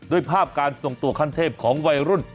โดยภาพการส่งตัวขั้นเทพของวัยรุ่น